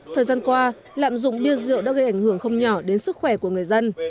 thời gian qua lạm dụng bia rượu đã gây ảnh hưởng không nhỏ đến sức khỏe của người dân